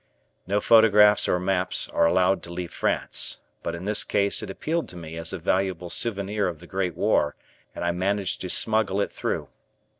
No photographs or maps are allowed to leave France, but in this case it appealed to me as a valuable souvenir of the Great War and I managed to smuggle it through.